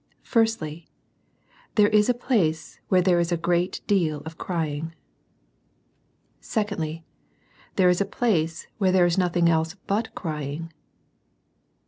I. Firstly : There is a place where there is a great deal of crying. 64 SERMONS FOR CHILDREN. II. Secondly : There is a place where there is nothing else but crying.